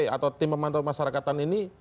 atau tim pemantau masyarakatan ini